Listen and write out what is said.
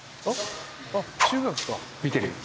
見てる。